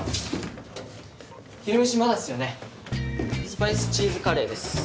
スパイスチーズカレーです。